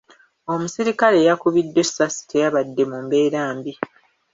Omuserikale eyakubiddwa essasi teyabadde mu mbeera mbi.